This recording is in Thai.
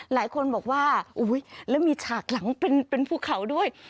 หลายคนบอกว่าอุ๊ยแล้วมีฉากหลังเป็นภูเขาด้วย